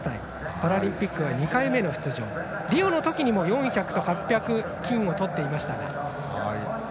パラリンピックは２回目の出場リオのときにも４００と８００金をとっていましたが。